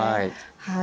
はい。